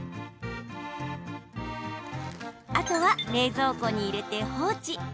あとは冷蔵庫に入れて放置。